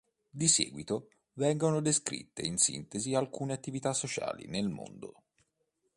Di seguito, vengono descritte in sintesi alcune attività sociali nel mondo.